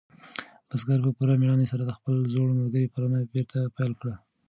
بزګر په پوره مېړانې سره د خپل زوړ ملګري پالنه بېرته پیل کړه.